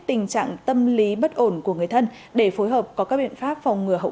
tình trạng tâm lý bất ổn của người thân để phối hợp có các biện pháp phòng ngừa hậu